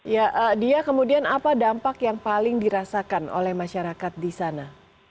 ya dia kemudian apa dampak yang paling dirasakan oleh masyarakat di sana